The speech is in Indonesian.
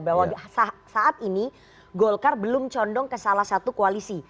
bahwa saat ini golkar belum condong ke salah satu koalisi